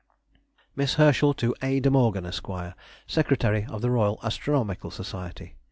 MISS HERSCHEL TO A. DE MORGAN, ESQ., SECRETARY OF ROYAL ASTRONOMICAL SOCIETY.